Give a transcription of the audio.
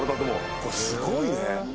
これすごいね。